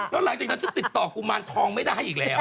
แล้วหลังจากนั้นฉันติดต่อกุมารทองไม่ได้อีกแล้ว